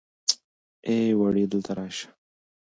ای وړې دلته راشه.